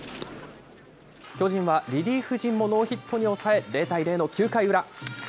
巨人はリリーフ陣もノーヒットに抑え、０対０の９回裏。